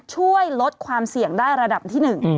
ช่วยลดความเสี่ยงได้ระดับที่๑